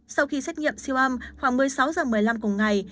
sau khi xét nghiệm siêu âm khoảng một mươi sáu h một mươi năm cùng ngày